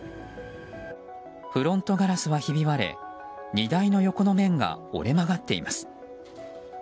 フロントガラスはひび割れ荷台の横の面が折れ曲がっています。